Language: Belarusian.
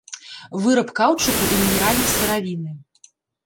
Выраб каўчуку і мінеральнай сыравіны.